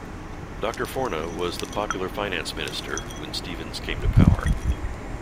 Doctor Forna was the popular finance minister when Steven's came to power.